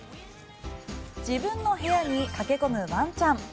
自分の部屋に駆け込むワンちゃん。